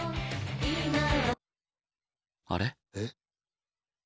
あれ？